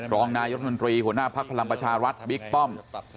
รองนายนำมนตรีหัวหน้าภพลัมพชารัฐบิ๊กป้อม